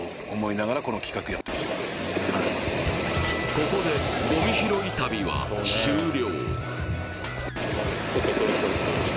ここでごみ拾い旅は終了。